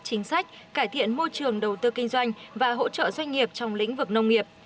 chính sách cải thiện môi trường đầu tư kinh doanh và hỗ trợ doanh nghiệp trong lĩnh vực nông nghiệp